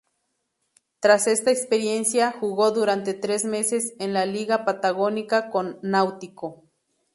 Tras esta experiencia, jugó durante tres meses en la Liga Patagónica con Náutico.